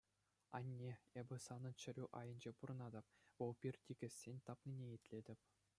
Анне, эпӗ санӑн чӗрӳ айӗнче пурӑнатӑп, вӑл пӗр тикӗссӗн тапнине итлетӗп.